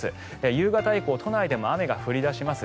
夕方以降、都内でも雨が降り出します。